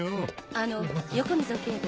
あの横溝警部。